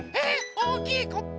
⁉おおきいコップ。